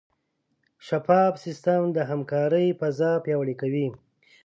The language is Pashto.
شفاف سیستم د همکارۍ فضا پیاوړې کوي.